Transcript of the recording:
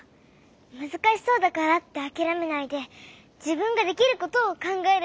むずかしそうだからってあきらめないでじぶんができることをかんがえればいいのか。